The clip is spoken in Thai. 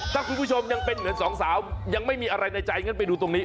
ถ้าคุณผู้ชมยังเป็นเหมือนสองสาวยังไม่มีอะไรในใจงั้นไปดูตรงนี้